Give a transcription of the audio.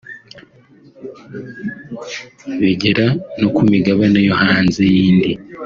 bigera no ku migabane yo hanze y’indi